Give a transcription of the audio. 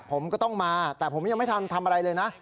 ผมก็ต้องมาแต่ผมยังไม่ทันทำอะไรเลยนะ